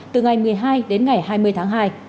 từ ngày một mươi hai đến ngày hai mươi tháng hai